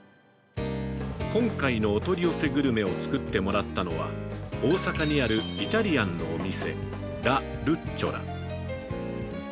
今回のお取り寄せグルメを作ってもらったのは大阪にあるイタリアンのお店「ラ・ルッチョラ」。